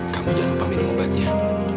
kamu jangan lupa minum obatnya